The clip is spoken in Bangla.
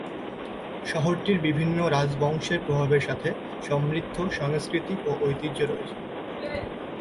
শহরটির বিভিন্ন রাজবংশের প্রভাবের সাথে সমৃদ্ধ সংস্কৃতি ও ঐতিহ্য রয়েছে।